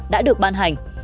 đã được ban hành